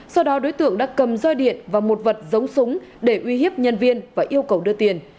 sau đó đối tượng đã cầm roi điện và một vật giống súng để uy hiếp nhân viên và yêu cầu đưa tiền